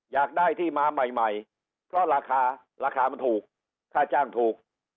อยากได้ที่มาใหม่เพราะราคาราคามันถูกค่าจ้างถูก